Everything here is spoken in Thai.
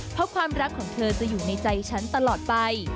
เพราะความรักของเธอจะอยู่ในใจฉันตลอดไป